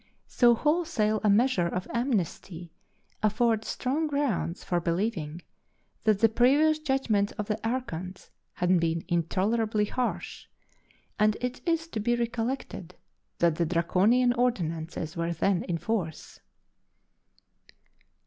So wholesale a measure of amnesty affords strong grounds for believing that the previous judgments of the archons had been intolerably harsh; and it is to be recollected that the Draconian ordinances were then in force.